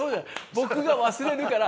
僕が忘れるから。